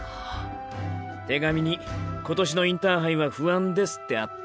手紙に“今年のインターハイは不安です”ってあった。